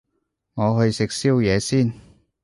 我去食宵夜先